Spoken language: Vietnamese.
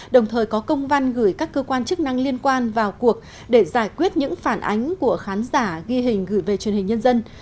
đồng thời có công văn gửi các cơ quan chức năng liên quan vào cuộc để giải quyết những phản ánh của khán giả ghi hình gửi về truyền hình nhân dân